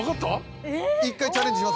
１回チャレンジ。